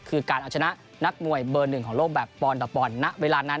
คือการเอาชนะนักมวยเบอร์หนึ่งของโลกแบบปอนต่อปอนดณเวลานั้น